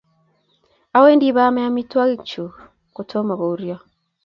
Awendi baame amitwogikyuk kotomo kouryo